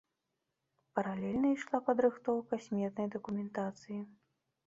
Паралельна ішла падрыхтоўка сметнай дакументацыі.